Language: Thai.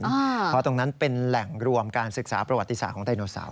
เพราะตรงนั้นเป็นแหล่งรวมการศึกษาประวัติศาสตร์ของไดโนเสาร์